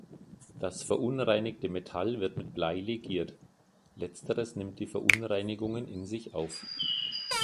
Das verunreinigte Metall wird mit Blei legiert; letzteres nimmt die Verunreinigungen in sich auf.